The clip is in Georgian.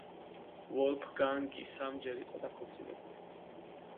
ვოლფგანგი სამჯერ იყო დაქორწინებული.